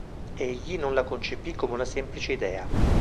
Egli non la concepì come una semplice idea.